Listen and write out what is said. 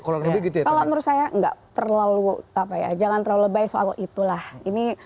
kalau lebih gitu kalau menurut saya enggak terlalu apa ya jangan terlebih soal itulah ini